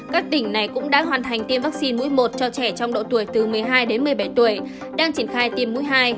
các tỉnh này cũng đã hoàn thành tiêm vaccine mũi một cho trẻ trong độ tuổi từ một mươi hai đến một mươi bảy tuổi đang triển khai tiêm mũi hai